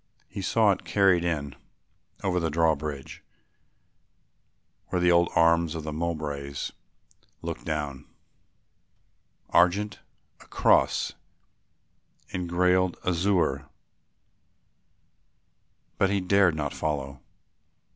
He saw it carried in over the drawbridge, where the old arms of the Mowbrays looked down, argent, a cross engrailed azure; but he dared not follow.